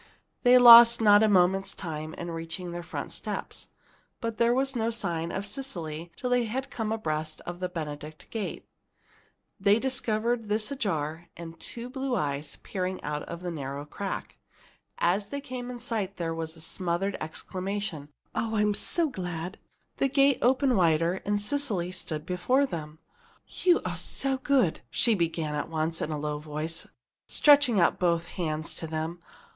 They lost not a moment's time in reaching their front steps. But there was no sign of Cecily till they had come abreast of the Benedict gate. This they discovered ajar, and two blue eyes peeping out of a narrow crack. As they came in sight, there was a smothered exclamation, "Oh! I'm so glad!" The gate opened wider, and Cecily stood before them. "You are so good!" she began at once, in a low voice, stretching out both hands to them.